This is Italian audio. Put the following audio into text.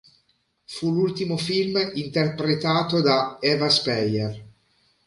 Fu l'ultimo film interpretato da Eva Speyer.